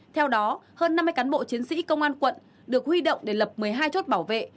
theo đó hơn năm mươi cán bộ chiến sĩ công an quận được huy động để lập một mươi hai chốt bảo vệ